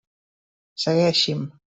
Segueixi'm.